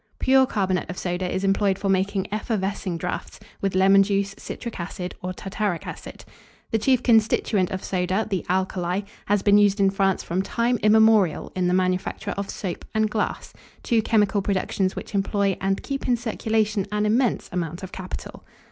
Pure carbonate of soda is employed for making effervescing draughts, with lemon juice, citric acid, or tartaric acid. The chief constituent of soda, the alkali, has been used in France from time immemorial in the manufacture of soap and glass, two chemical productions which employ and keep in circulation an immense amount of capital.